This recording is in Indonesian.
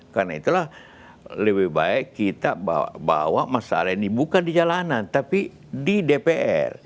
karena itulah lebih baik kita bawa masalah ini bukan di jalanan tapi di dpr